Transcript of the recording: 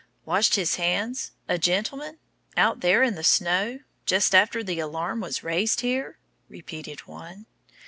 "Washed his hands a gentleman out there in the snow just after the alarm was raised here?" repeated one.